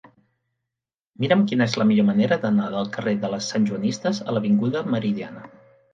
Mira'm quina és la millor manera d'anar del carrer de les Santjoanistes a l'avinguda Meridiana.